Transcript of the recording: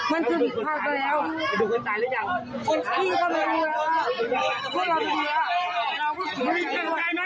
มันคือผิดพลาดแล้ว